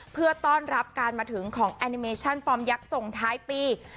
เพื่อต้อนรับการมาถึงของแอนิเมชั่นฟอร์มยักษ์ส่งท้ายปี